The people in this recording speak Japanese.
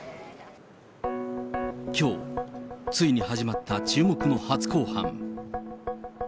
きょう、ついに始まった注目の初公判。